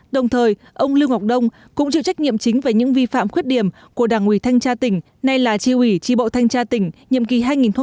đồng thời ông lưu ngọc đông cũng chịu trách nhiệm chính về những vi phạm khuyết điểm của đảng ủy thanh tra tỉnh nay là tri ủy tri bộ thanh tra tỉnh nhiệm kỳ hai nghìn một mươi năm hai nghìn hai mươi